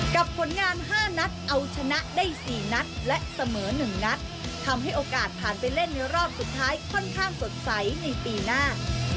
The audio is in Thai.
ผลงาน๕นัดเอาชนะได้๔นัดและเสมอ๑นัดทำให้โอกาสผ่านไปเล่นในรอบสุดท้ายค่อนข้างสดใสในปีหน้า